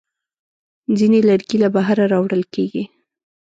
ځینې لرګي له بهره راوړل کېږي.